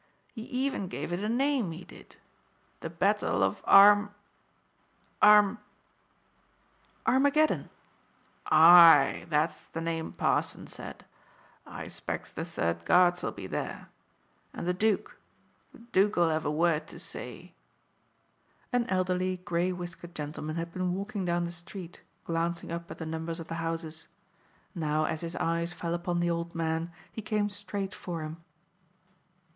He even gave it a name, he did. The battle of Arm Arm " "Armageddon." "Aye, that's the name parson said. I 'specs the Third Guards'll be there. And the Dook the Dook'll have a word to say." An elderly, grey whiskered gentleman had been walking down the street, glancing up at the numbers of the houses. Now as his eyes fell upon the old man, he came straight for him.